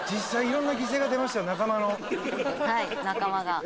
実際はい仲間が。